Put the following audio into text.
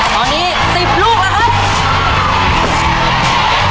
ตอนนี้สิบลูกนะครับ